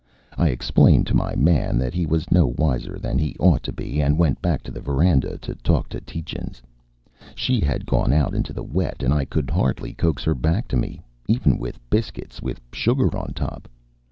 I explained to my man that he was no wiser than he ought to be, and went back to the veranda to talk to Tietjens. She had gone out into the wet and I could hardly coax her back to me even with biscuits with sugar on top.